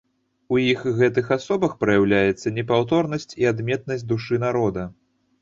У іх гэтых асобах праяўляецца непаўторнасць і адметнасць душы народа.